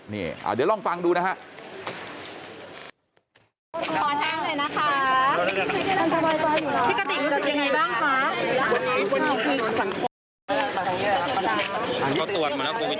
เดี๋ยวลองฟังดูนะครับ